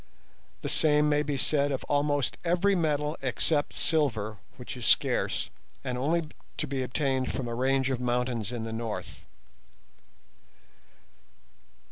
The same may be said of almost every metal except silver, which is scarce, and only to be obtained from a range of mountains in the north.